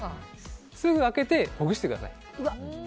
すぐほぐしてください。